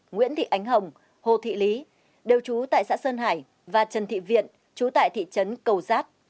nguyễn thị ánh hồng hồ thị lý đều trú tại xã sơn hải và trần thị viện chú tại thị trấn cầu giác